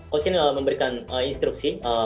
coach nim memberikan instruksi